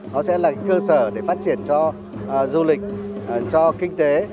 nó sẽ là cơ sở để phát triển cho du lịch cho kinh tế